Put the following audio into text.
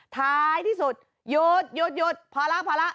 ท้ายที่สุดหยุดพอแล้ว